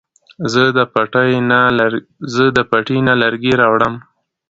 زه د پټي نه لرګي راوړم